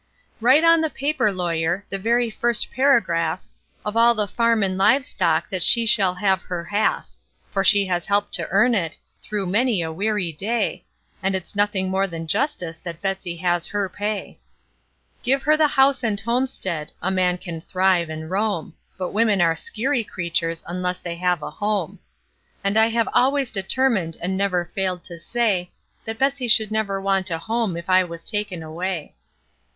Write on the paper, lawyer the very first paragraph Of all the farm and live stock that she shall have her half; For she has helped to earn it, through many a weary day, And it's nothing more than justice that Betsey has her pay. Give her the house and homestead a man can thrive and roam; But women are skeery critters, unless they have a home; And I have always determined, and never failed to say, That Betsey never should want a home if I was taken away.